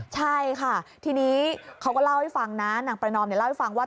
ใช่ค่ะทีนี้เขาก็เล่าให้ฟังนะนางประนอมเล่าให้ฟังว่า